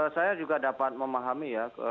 saya juga dapat memahami ya